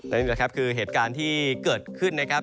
นี่แหละครับคือเหตุการณ์ที่เกิดขึ้นนะครับ